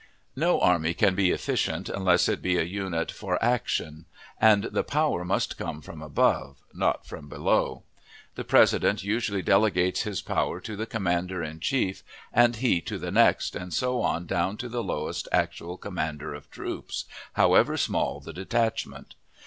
No army can be efficient unless it be a unit for action; and the power must come from above, not from below: the President usually delegates his power to the commander in chief, and he to the next, and so on down to the lowest actual commander of troops, however small the detachment.